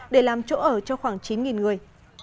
để làm chỗ ở cho khoảng chín người